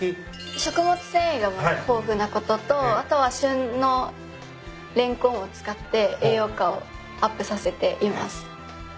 食物繊維が豊富なこととあとは旬のレンコンを使って栄養価をアップさせています。